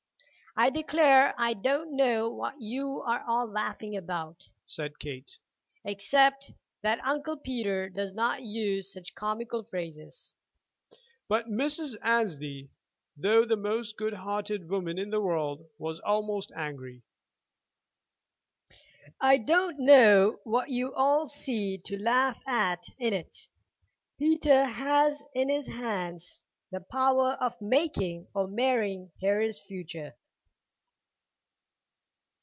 "I declare I don't know what you are all laughing about," said Kate, "except that Uncle Peter does use such comical phrases." But Mrs. Annesley, though the most good hearted woman in the world, was almost angry. "I don't know what you all see to laugh at in it. Peter has in his hands the power of making or marring Harry's future."